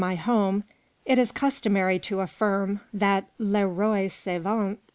my home it is customary to affirm that Les rois s'en vont.